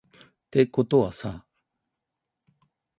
てことはさ